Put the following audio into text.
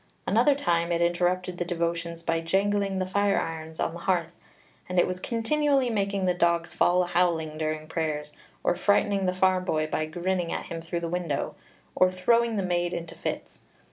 Another time it interrupted the devotions by jangling the fire irons on the hearth; and it was continually making the dogs fall a howling during prayers, or frightening the farm boy by grinning at him through the window, or throwing the maid into fits.